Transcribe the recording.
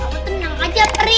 kamu tenang aja pri